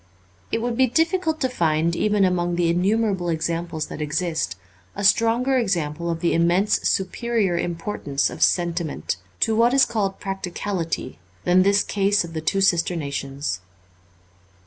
It would be difficult to find, even among the innumerable examples that exist, a stronger example of the immensely superior im portance of sentiment, to what is called practicality, than this case of the two sister nations.